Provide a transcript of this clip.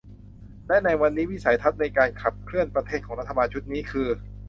และในวันนี้วิสัยทัศน์ในการขับเคลื่อนประเทศของรัฐบาลชุดนี้คือ